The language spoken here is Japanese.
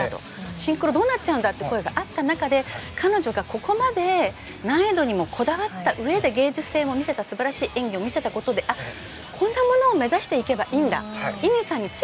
シンクロどうなっちゃうんだという声があった中で、彼女がここまで難易度にこだわったうえで芸術性も見せた素晴らしい演技を見せたことでこんなものを目指していけばいいんだ。